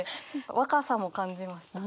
若さも感じました。